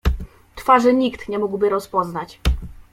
"Twarzy nikt nie mógłby rozpoznać."